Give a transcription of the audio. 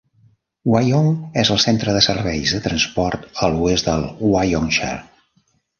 Wyong és el centre de serveis de transport a l'oest del Wyong Shire.